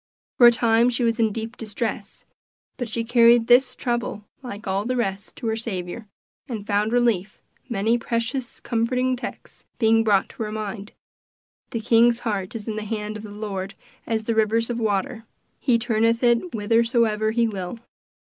For a time she was in deep distress; but she carried this trouble, like all the rest, to her Saviour, and found relief; many precious, comforting texts being brought to her mind: "The king's heart is in the hand of the Lord as the rivers of water: he turneth it whithersoever he will."